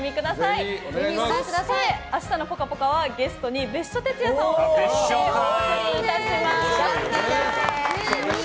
そして明日の「ぽかぽか」はゲストに別所哲也さんをお招きしお送りいたします。